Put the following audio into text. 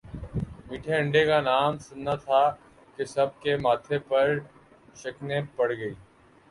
میٹھے انڈے کا نام سننا تھا کہ سب کے ماتھے پر شکنیں پڑ گئی